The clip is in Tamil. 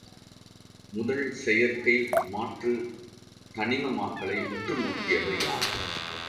முதல் செயற்கை மாற்றுத் தனிமமாக்கலை உற்றுநோக்கியவர் யார்?